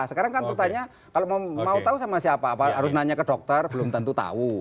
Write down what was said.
sekarang kan pertanyaan kalau mau tahu sama siapa harus nanya ke dokter belum tentu tahu